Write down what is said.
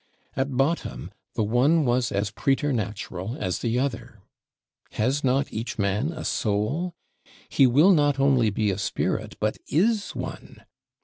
At bottom, the one was as _preter_natural as the other. Has not each man a soul? He will not only be a spirit, but is one.